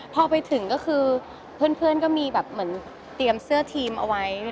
พอไปถึงก็คือเพื่อนบางคนก็มีเตรียมเสื้อทีมเอาไว้